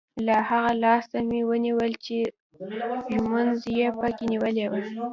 له هغه لاسه مې ونیول چې ږومنځ یې په کې نیولی وو.